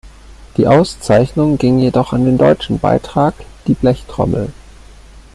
Die Auszeichnung ging jedoch an den deutschen Beitrag "Die Blechtrommel".